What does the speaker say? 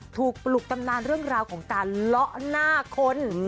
ปลุกตำนานเรื่องราวของการเลาะหน้าคน